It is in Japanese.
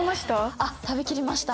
あっ食べきりました。